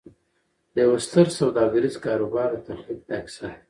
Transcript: د یوه ستر سوداګریز کاروبار د تخلیق دا کیسه ده